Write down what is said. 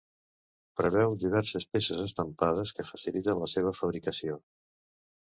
Preveu diverses peces estampades que faciliten la seva fabricació.